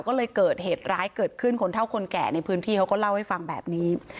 ก็เลยเกิดเหตุร้ายเกิดขึ้นคนเท่าคนแก่ในพื้นที่เขาก็เล่าให้ฟังแบบนี้